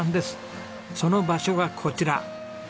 その場所がこちら。